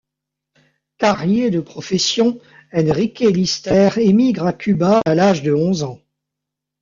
Carrier de profession, Enrique Líster émigre à Cuba à l'âge de onze ans.